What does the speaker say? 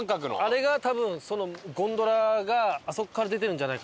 あれが多分ゴンドラがあそこから出てるんじゃないかなっていう。